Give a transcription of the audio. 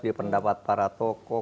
di pendapat para tokoh